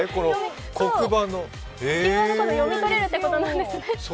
ＱＲコード、読み取れるってことなんです。